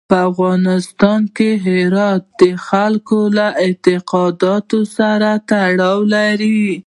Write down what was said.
په افغانستان کې هرات د خلکو له اعتقاداتو سره تړاو لري.